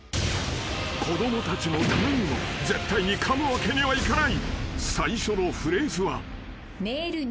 ［子供たちのためにも絶対にかむわけにはいかない］